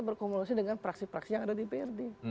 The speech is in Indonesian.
berkomunikasi dengan praksi praksi yang ada di prd